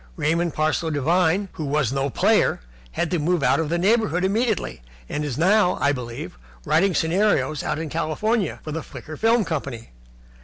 Raymond Parsloe Devine, who was no player, had to move out of the neighbourhood immediately, and is now, I believe, writing scenarios out in California for the Flicker Film Company.